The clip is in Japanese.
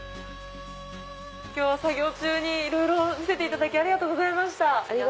今日は作業中に見せていただきありがとうございました。